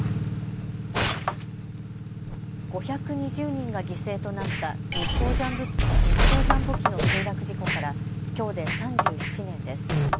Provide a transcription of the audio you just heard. ５２０人が犠牲となった日航ジャンボ機の墜落事故からきょうで３７年です。